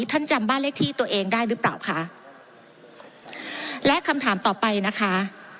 ท่านจำบ้านเลขที่ตัวเองได้หรือเปล่าคะและคำถามต่อไปนะคะ